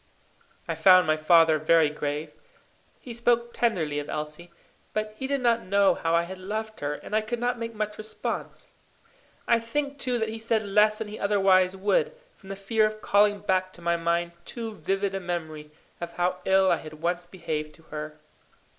I found my father very grave. He spoke tenderly of Elsie; but he did not know how I had loved her, and I could not make much response. I think, too, that he said less than he otherwise would, from the fear of calling back to my mind too vivid a memory of how ill I had once behaved to her.